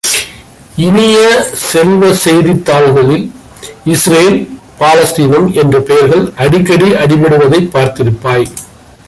இனிய செல்வ, செய்தித் தாள்களில் இஸ்ரேல் பாலஸ்தீனம் என்ற பெயர்கள் அடிக்கடி அடிபடுவதைப் பார்த்திருப்பாய்!